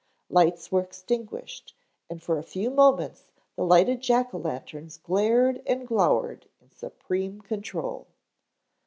Lights were extinguished and for a few moments the lighted jack o' lanterns glared and glowered in supreme control.